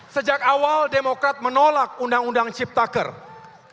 sejak awal demokrat menolak undang undang cipta kerja